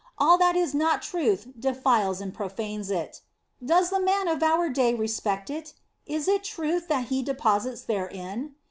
all that is not truth defiles and pro fanes it. Does the man of our day respect it? Is it truth that he deposits therein